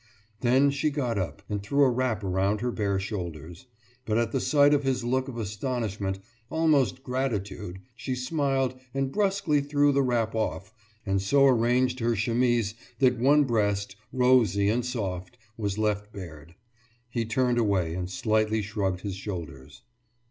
Then she got up and threw a wrap around her bare shoulders. But at the sight of his look of astonishment, almost gratitude, she smiled and brusquely threw the wrap off, and so arranged her chemise that one breast, rosy and soft, was left bared. He turned away and slightly shrugged his shoulders.